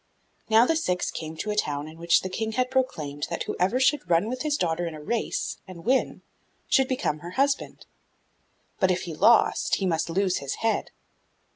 Now the Six came to a town in which the King had proclaimed that whoever should run with his daughter in a race, and win, should become her husband; but if he lost, he must lose his head.